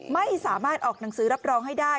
ไม่สามารถออกหนังสือรับรองให้ได้